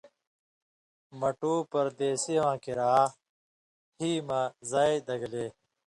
”مٹُو پردیسی واں کریا ہی مہ زائ دگلے